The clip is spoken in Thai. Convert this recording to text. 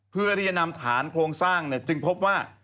เพื่อที่จะนำฐานโครงสร้างจึงพบว่า